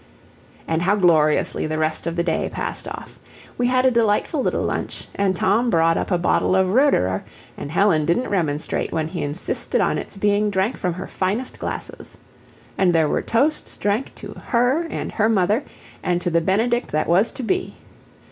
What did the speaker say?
And how gloriously the rest of the day passed off. We had a delightful little lunch, and Tom brought up a bottle of Roederer, and Helen didn't remonstrate when he insisted on its being drank from her finest glasses, and there were toasts drank to "Her" and "Her Mother," and to the Benedict that was to be.